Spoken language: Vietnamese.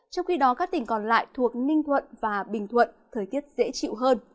trong khi đó các tỉnh còn lại thuộc ninh thuận và bình thuận thời tiết dễ chịu hơn